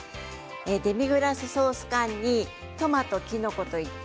デミグラスソース缶にトマト、きのこといった